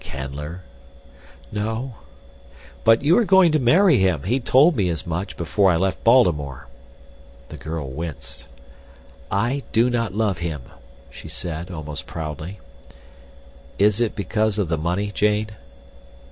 "Canler?" "No." "But you are going to marry him. He told me as much before I left Baltimore." The girl winced. "I do not love him," she said, almost proudly. "Is it because of the money, Jane?"